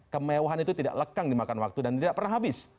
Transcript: kemewahan itu tidak lekang dimakan waktu dan tidak pernah habis